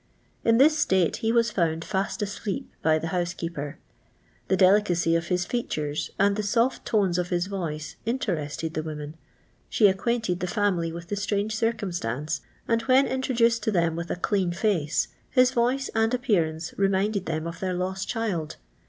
In this state he was found fast asleep by the housekeeper. The delicacy of his features and the soft tones of his voice interested the woman. She acquainted the family with the strange circumstance, and, when introduced to them witli a clean foce, his voice and appearance reminded them of their lost child.